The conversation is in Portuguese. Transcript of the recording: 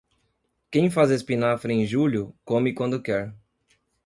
Quem faz espinafre em julho, come quando quer.